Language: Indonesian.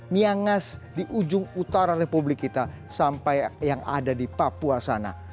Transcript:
niangas di ujung utara republik kita sampai yang ada di papua sana